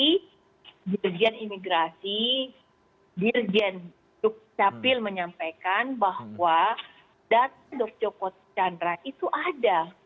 jadi dirjen imigrasi dirjen duk capil menyampaikan bahwa data dr joko chandra itu ada